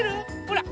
ほら。